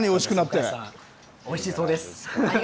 おいしいそうです。